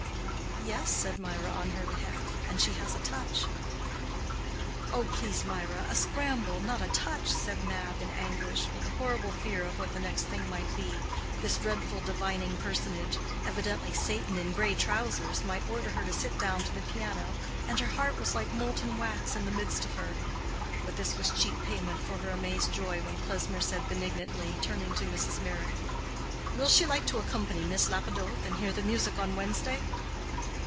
"Yes," said Mirah, on her behalf. "And she has a touch." "Oh, please, Mirah—a scramble, not a touch," said Mab, in anguish, with a horrible fear of what the next thing might be: this dreadful divining personage—evidently Satan in gray trousers—might order her to sit down to the piano, and her heart was like molten wax in the midst of her. But this was cheap payment for her amazed joy when Klesmer said benignantly, turning to Mrs. Meyrick, "Will she like to accompany Miss Lapidoth and hear the music on Wednesday?"